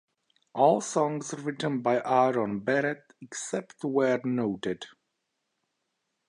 All songs written by Aaron Barrett, except where noted.